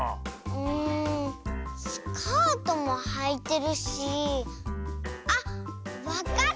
んスカートもはいてるしあっわかった！